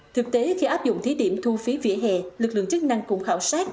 thực tế khi áp dụng thí điểm thu phí vỉa hè lực lượng chức năng cùng khảo sát